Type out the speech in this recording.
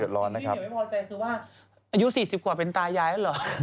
มีใส่เพราะว่าอายุ๔๐กว่าเป็นตายาย่ะหรอ